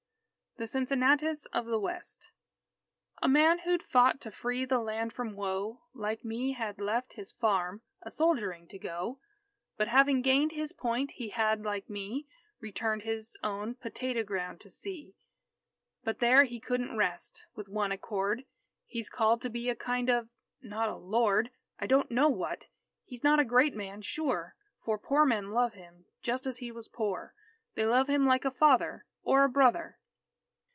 THE CINCINNATUS OF THE WEST _A man who'd fought to free the land from woe, Like me, had left his farm a soldiering to go; But having gained his point, he had, like me, Returned his own potato ground to see; But there he couldn't rest; with one accord He's called to be a kind of , not a Lord, I don't know what he's not a great man, sure, For poor men love him, just as he was poor! They love him like a father or a brother!